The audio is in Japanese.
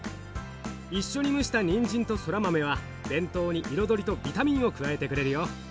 一緒に蒸したにんじんとそら豆は弁当に彩りとビタミンを加えてくれるよ。